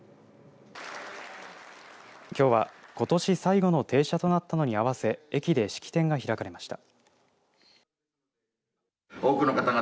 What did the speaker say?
きょうは、ことし最後の停車となったのに合わせ駅で式典が開かれました。